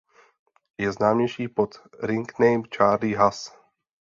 Je známější pod „ring name“ Charlie Haas.